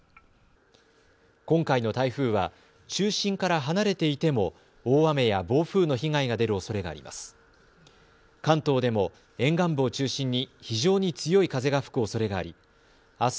今回の台風は中心から離れていても大雨や暴風の被害が出るおそれがあります。